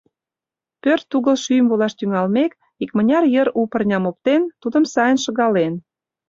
Пӧрт угыл шӱйым волаш тӱҥалмек, икмыняр йыр у пырням оптен, тудым сайын шыгален.